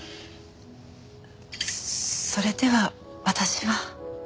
それでは私は。